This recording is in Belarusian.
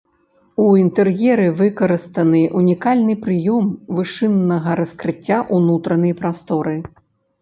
У інтэр'еры выкарыстаны ўнікальны прыём вышыннага раскрыцця ўнутранай прасторы.